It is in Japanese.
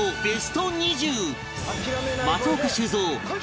松岡修造響